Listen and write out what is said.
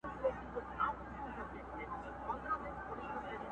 په قېمت لکه سېپۍ او مرغلري،